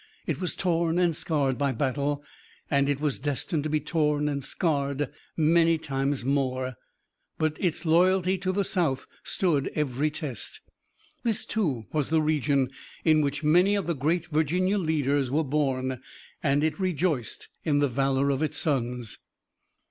It was torn and scarred by battle, and it was destined to be torn and scarred many times more, but its loyalty to the South stood every test. This too was the region in which many of the great Virginia leaders were born, and it rejoiced in the valor of its sons.